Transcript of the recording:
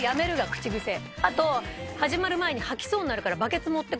あと始まる前に吐きそうになるから。